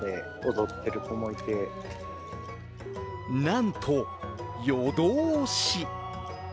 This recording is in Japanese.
なんと夜通し！